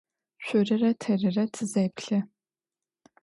Шъорырэ тэрырэ тызэплъы.